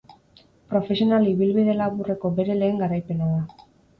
Profesional ibilbide laburreko bere lehen garaipena da.